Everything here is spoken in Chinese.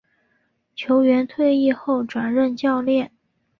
球员退役后转任教练。